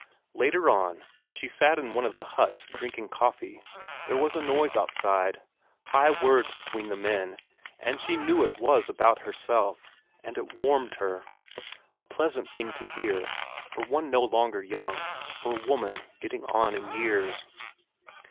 Later on, when she sat in one of the huts drinking coffee, there was a noise outside, high words between the men, and she knew it was about herself, and it warmed her. A pleasant thing to hear, for one no longer young, for a woman getting on in years.